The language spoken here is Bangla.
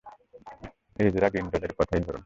এজরা গ্রিন্ডলের কথাই ধরুন।